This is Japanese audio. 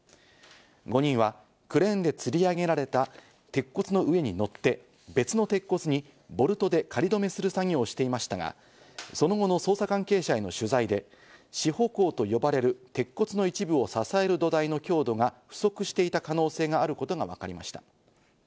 ５人はクレーンでつり上げられた鉄骨の上に乗って、別の鉄骨にボルトで仮止めする作業をしていましたが、その後の捜査関係者への取材で支保工と呼ばれる鉄骨の一部を支える土台の強度が不足していた可能性があることがわかりました。